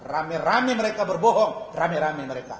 rame rame mereka berbohong rame rame mereka